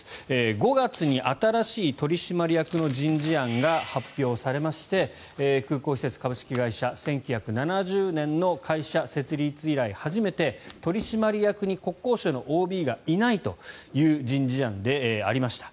５月に新しい取締役の人事案が発表されまして空港施設株式会社１９７０年の会社設立以来初めて取締役に国交省のＯＢがいないという人事案でありました。